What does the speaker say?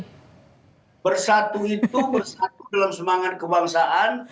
kita bersatu itu bersatu dalam semangat kebangsaan